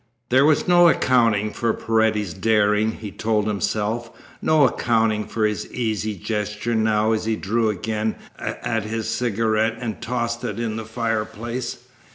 There was no accounting for Paredes's daring, he told himself, no accounting for his easy gesture now as he drew again at his cigarette and tossed it in the fireplace.